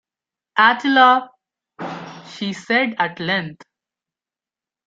"Attila," she said at length.